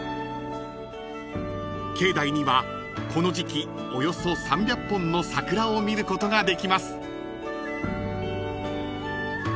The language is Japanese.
［境内にはこの時季およそ３００本の桜を見ることができます］